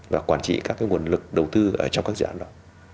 và quản trị các nguồn lực đầu tư ở trong các dự án đó